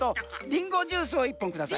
りんごジュースを１ぽんください。